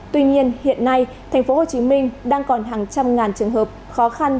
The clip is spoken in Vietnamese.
tuy nhiên hiện nay tp hcm đang còn hàng trăm ngàn trường hợp khó khăn